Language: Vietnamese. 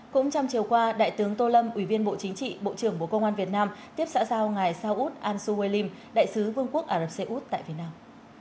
cũng trong chiều qua đại tướng tô lâm ủy viên bộ chính trị bộ trưởng bộ công an việt nam tiếp xã giao ngài sao út an suu wai lim đại sứ vương quốc ả rập xê út tại việt nam